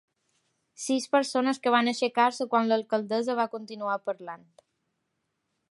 Sis persones que van aixecar-se quan l’alcaldessa va continuar parlant.